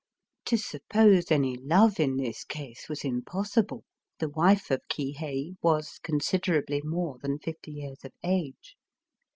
To suppose any love in this case was impossible; — the wife of Kihei was considerably more than fifty years of age.